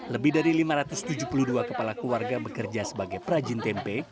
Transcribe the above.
lebih dari lima ratus tujuh puluh dua kepala keluarga bekerja sebagai perajin tempe